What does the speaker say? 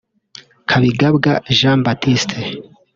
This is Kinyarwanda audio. Kabigabwa Jean Baptiste